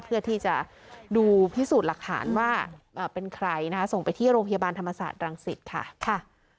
เพื่อที่จะดูพิสูจน์หลักฐานว่าเป็นใครนะคะส่งไปที่โรงพยาบาลธรรมศาสตร์รังสิตค่ะ